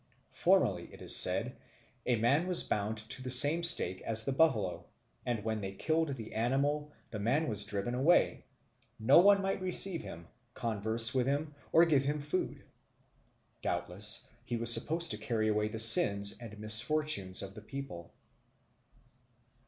Formerly, it is said, a man was bound to the same stake as the buffalo, and when they killed the animal, the man was driven away; no one might receive him, converse with him, or give him food. Doubtless he was supposed to carry away the sins and misfortunes of the people.